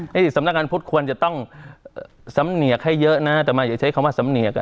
นี่สำนักงานพุทธควรจะต้องสำเนียกให้เยอะนะแต่มาอย่าใช้คำว่าสำเนียก